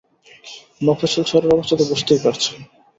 মফস্বল শহরের অবস্থা তো বুঝতেই পারছেন।